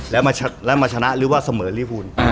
แล้วมาชนะหรือว่าเสมอลีฟูน